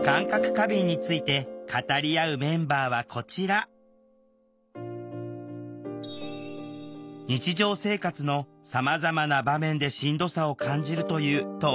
過敏について語り合うメンバーはこちら日常生活のさまざまな場面でしんどさを感じるという当事者３人。